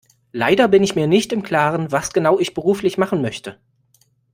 Leider bin ich mir nicht im Klaren, was genau ich beruflich machen möchte.